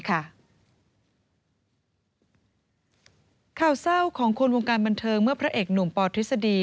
ข่าวเศร้าของคนวงการบันเทิงเมื่อพระเอกหนุ่มปทฤษฎี